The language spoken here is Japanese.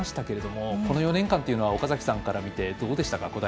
けれどこの４年間というのは岡崎さんから見てどうでしたか？